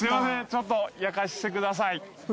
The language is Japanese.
ちょっと焼かせてください